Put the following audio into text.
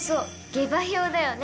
「下馬評」だよね。